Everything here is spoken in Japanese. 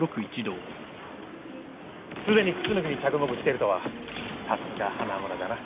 すでに楠木に着目してるとはさすが花村だな。